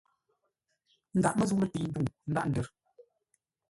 Ndaghʼ məzə̂u lətei ndwuŋ ndaghʼ ndər.